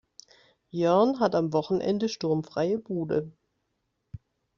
Jörn hat am Wochenende sturmfreie Bude.